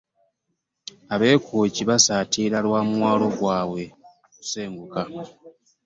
Ab'e Kkooki basattira lwa mwalo gwabwe kusenguka